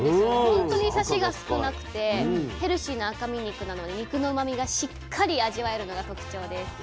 本当にサシが少なくてヘルシーな赤身肉なので肉のうまみがしっかり味わえるのが特徴です。